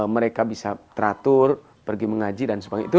mereka bisa teratur pergi mengaji dan sebagainya